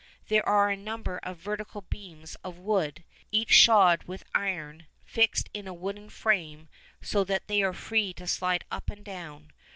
There are a number of vertical beams of wood, each shod with iron, fixed in a wooden frame, so that they are free to slide up and down.